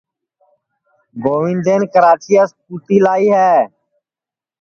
گوندین کراچیاس کُتی لائی ہے